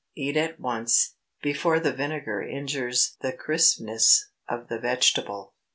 Eat at once, before the vinegar injures the crispness of the vegetable.